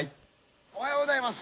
「おはようございます」